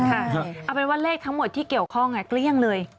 เอาเป็นว่าเลขทั้งหมดที่เกี่ยวข้องเกลี้ยงเลย